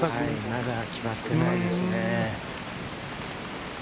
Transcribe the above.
まだ決まってないですね。